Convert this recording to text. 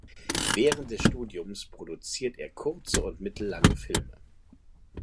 Während des Studiums produziert er kurze und mittellange Filme.